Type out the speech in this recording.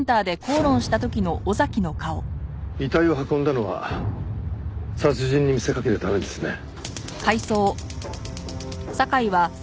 遺体を運んだのは殺人に見せかけるためですね。